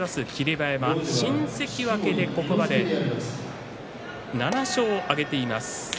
馬山新関脇でここまで７勝を挙げています。